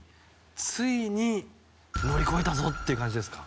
ついに乗り越えたぞって感じですか？